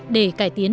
để cải tiến